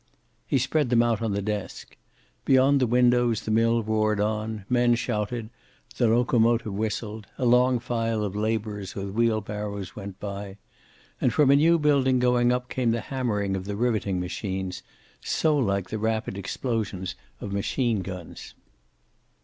He spread them out on the desk. Beyond the windows the mill roared on; men shouted, the locomotive whistled, a long file of laborers with wheelbarrows went by. And from a new building going up came the hammering of the riveting machines, so like the rapid explosions of machine guns.